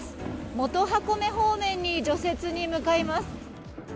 元箱根方面に除雪に向かいます。